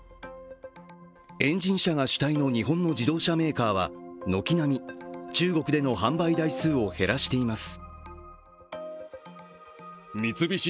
エンジン車が主体の日本の自動車メーカーは軒並み中国での販売台数を減らしています。